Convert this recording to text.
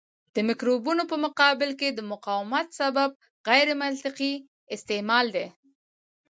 د مکروبونو په مقابل کې د مقاومت سبب غیرمنطقي استعمال دی.